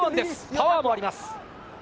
パワーもあります。